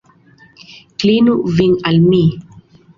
Klinu vin al mi!